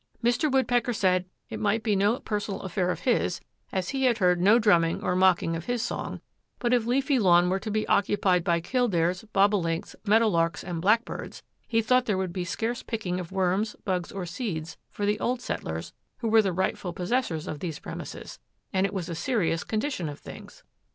Mr. Woodpecker said it might be no personal affair of his as he had heard no drumming nor mocking of his song, but if Leafy Lawn were to be occupied by kildares, bobolinks, meadow larks and blackbirds he thought there would be scarce picking of worms, bugs or seeds for the old settlers who were the rightful possessors of these premises and it was a serious condition of things.